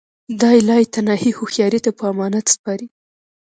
دا یې لایتناهي هوښیاري ته په امانت سپاري